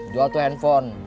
jual tuh handphone